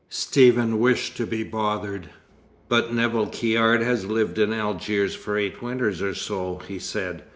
Stephen wished to be bothered. "But Nevill Caird has lived in Algiers for eight winters or so," he said.